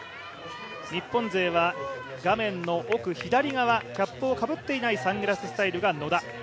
日本勢は画面の奥、左側キャップをかぶっていないサングラススタイルが野田